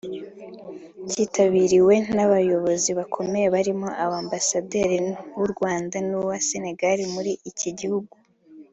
Cyitabiriwe n’abayobozi bakomeye barimo Ambasaderi w’u Rwanda n’uwa Senegal muri iki gihugu